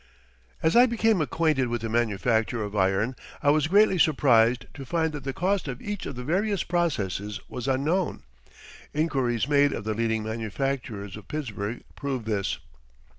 As I became acquainted with the manufacture of iron I was greatly surprised to find that the cost of each of the various processes was unknown. Inquiries made of the leading manufacturers of Pittsburgh proved this.